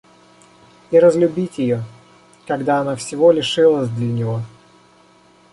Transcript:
И разлюбить ее, когда она всего лишилась для него!